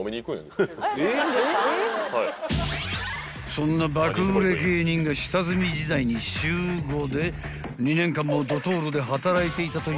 ［そんな爆売れ芸人が下積み時代に週５で２年間もドトールで働いていたというウワサが］